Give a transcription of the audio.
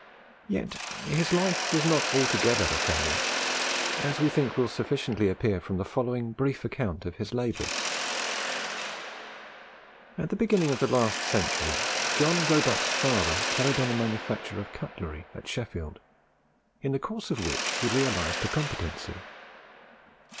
Yet his life was not altogether a failure, as we think will sufficiently appear from the following brief account of his labours: At the beginning of last century, John Roebuck's father carried on the manufacture of cutlery at Sheffield, in the course of which he realized a competency.